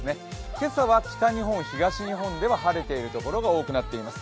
今朝は北日本、東日本では晴れている所が多くなっています。